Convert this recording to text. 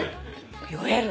酔える！